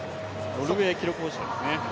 ノルウェー記録保持者ですね。